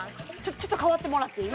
ちょっとかわってもらっていい？